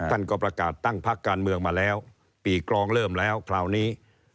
ท่านก็ประกาศตั้งพักการเมืองมาแล้วปีกรองเริ่มแล้วคราวนี้